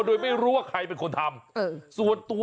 โดยไม่รู้ว่าใครเป็นคนทำ